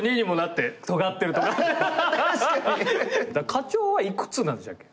課長は幾つなんでしたっけ？